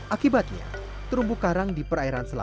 akibatnya terumbu karang diperlukan untuk menangkap ikan